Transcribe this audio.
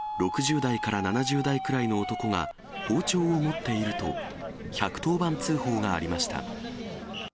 ６０代から７０代くらいの男が、包丁を持っていると、１１０番通報がありました。